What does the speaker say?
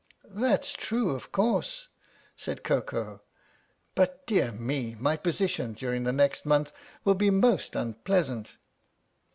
"That's true, of course," said Koko; "but, dear me my position during the next month will be most unpleasant."